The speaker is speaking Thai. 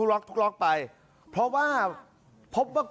รถเห็นมาตอบไบค์